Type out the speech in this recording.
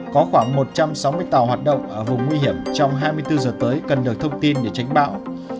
có khoảng một trăm sáu mươi tàu hoạt động ở vùng nguy hiểm trong hai mươi bốn giờ tới cần được thông tin để tránh bão